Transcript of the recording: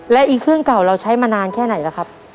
และอีกเครื่องเก่าเราใช้มานานแค่ไหนล่ะครับ